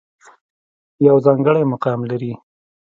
يو ځانګړے مقام لري